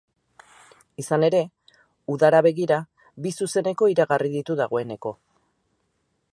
Izan ere, udara begira bi zuzeneko iragarri ditu dagoeneko.